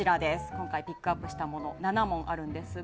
今回ピックアップしたもの７問あるんですが。